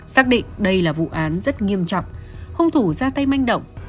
xác định đây là vụ án rất nghiêm trọng hung thủ ra tay manh động